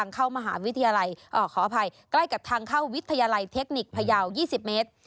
ใกล้กับทางเข้าวิทยาลัยเทคนิคพยาว๒๐เมตร